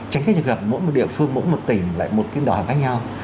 tránh gặp mỗi địa phương mỗi tỉnh lại một đoạn khác nhau